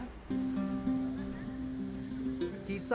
bahwa dia sudah berhasil menangkap siapa saja